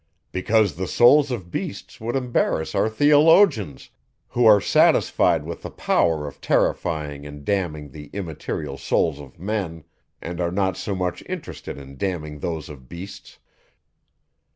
Because the souls of beasts would embarrass our theologians, who are satisfied with the power of terrifying and damning the immaterial souls of men, and are not so much interested in damning those of beasts.